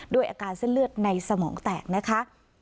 ด้วยอาการเส้นเลือดในสมองแตกนะคะ